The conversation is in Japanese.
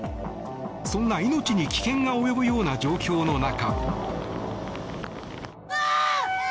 そんな命に危険が及ぶような状況の中。